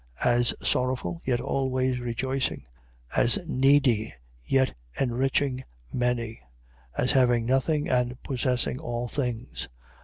As sorrowful, yet always rejoicing: as needy, yet enriching many: as having nothing and possessing all things.